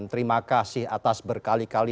terima kasih atas berkali kali